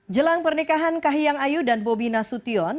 jelang pernikahan kahiyang ayu dan bobi nasution